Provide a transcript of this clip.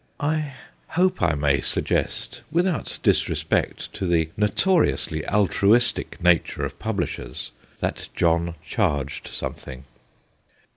I hope I may suggest, without disrespect to the notoriously altruistic nature of publishers, that John charged something.